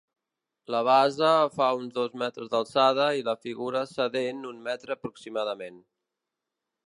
La base fa uns dos metres d'alçada i la figura sedent un metre aproximadament.